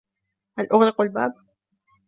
هل أغلق الباب.